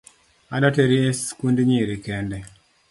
Adwa teri sikund nyiri kende